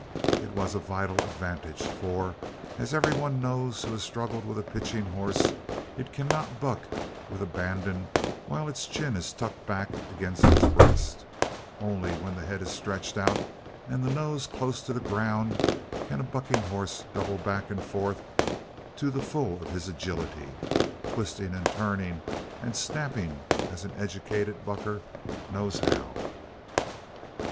It was a vital advantage for, as every one knows who has struggled with a pitching horse, it cannot buck with abandon while its chin is tucked back against its breast; only when the head is stretched out and the nose close to the ground can a bucking horse double back and forth to the full of his agility, twisting and turning and snapping as an "educated" bucker knows how.